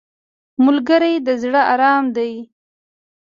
ملګری د زړه ارام دی